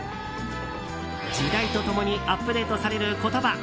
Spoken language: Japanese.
時代と共にアップデートされる言葉。